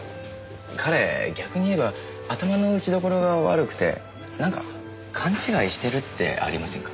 彼逆に言えば頭の打ちどころが悪くてなんか勘違いしてるってありませんか？